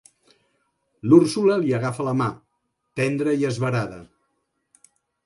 L'Úrsula li agafa la mà, tendra i esverada.